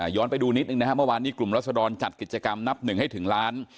ไปดูนิดนึงนะครับเมื่อวานนี้กลุ่มรัศดรจัดกิจกรรมนับหนึ่งให้ถึงล้าน